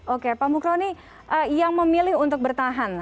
oke pak mukroni yang memilih untuk bertahan